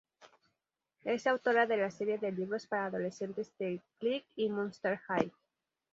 Es autora de la serie de libros para adolescentes The Clique y Monster High.